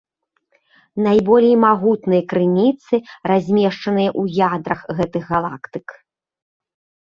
Найболей магутныя крыніцы размешчаныя ў ядрах гэтых галактык.